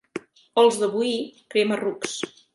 Els de Boí, crema-rucs.